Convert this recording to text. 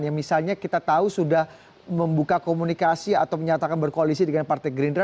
yang misalnya kita tahu sudah membuka komunikasi atau menyatakan berkoalisi dengan partai gerindra